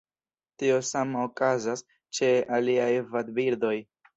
Tio sama okazas ĉe aliaj vadbirdoj.